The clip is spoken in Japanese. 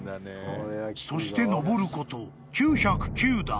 ［そして上ること９０９段］